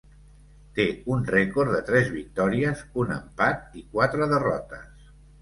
Té un rècord de tres victòries, un empat i quatre derrotes.